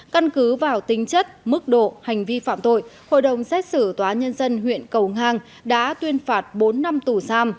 căn cứ vào tính chất mức độ hành vi phạm tội hội đồng xét xử tòa nhân dân huyện cầu ngang đã tuyên phạt bốn năm tù giam